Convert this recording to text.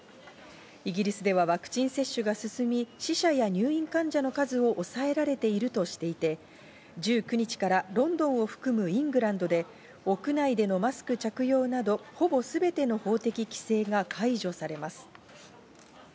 イギリスではワクチン接種が進み、死者や入院患者の数を抑えられているとしていて１９日からロンドンを含むイングランドで屋内でのマスク着用などほぼすべての法的規制が解除されます。